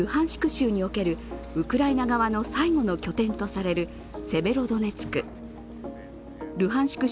州におけるウクライナ側の最後の拠点とされるセベロドネツク。